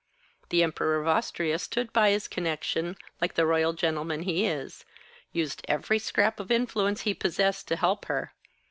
The Emperor of Austria stood by his connection, like the royal gentleman he is; used every scrap of influence he possessed to help her.